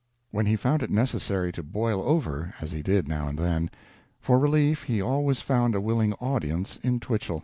When he found it necessary to boil over, as he did, now and then, far relief, he always found a willing audience in TwicheQ.